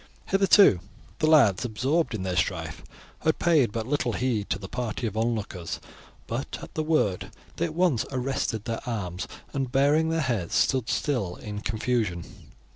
Hitherto the lads, absorbed in their strife, had paid but little heed to the party of onlookers; but at the word they at once arrested their arms, and, baring their heads, stood still in confusion.